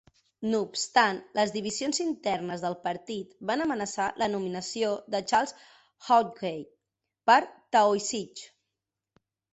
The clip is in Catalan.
No obstant, les divisions internes del partit van amenaçar la nominació de Charles Haughey per Taoiseach.